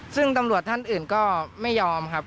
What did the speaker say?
ซึ่งตำรวจท่านอื่นก็ไม่ยอมครับ